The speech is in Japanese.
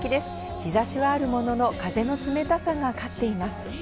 日差しはあるものの、風の冷たさが勝っています。